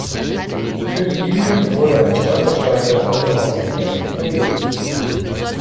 Für die Jüdin wurde ein Stolperstein vor dem Hauseingang verlegt.